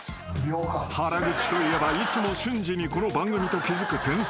［原口といえばいつも瞬時にこの番組と気付く天才］